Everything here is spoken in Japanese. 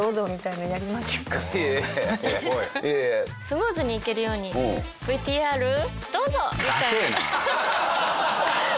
スムーズにいけるように「ＶＴＲどうぞ！」みたいな。